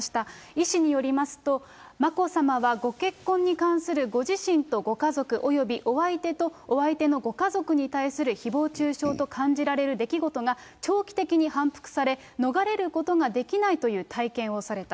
医師によりますと、眞子さまはご結婚に関するご自身とご家族およびお相手とお相手のご家族に対するひぼう中傷と感じられる出来事が長期的に反復され、逃れることができないという体験をされた。